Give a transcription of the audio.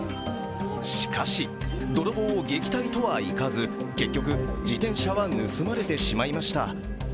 しかし、泥棒を撃退とはいかず結局、自転車は盗まれてしまいました。